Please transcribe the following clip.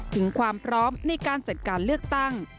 ถึงความพร้อมในการจัดการเลือกตั้ง